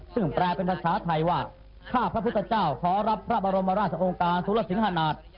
ซึ่งแปลเป็นภาษาไทยว่าข้าพระพุทธเจ้าขอรับพระบรมราชองค์การสุรสินหา